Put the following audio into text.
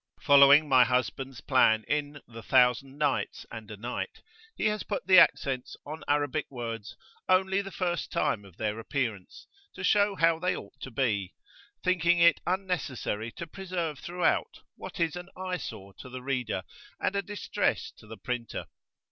Following my husband's plan in "The Thousand Nights and a Night," he has put the accents on Arabic words only the first time of their appearance, to show how they ought to be; thinking it unnecessary to preserve throughout, what is an eyesore to the reader and a distress to the printer.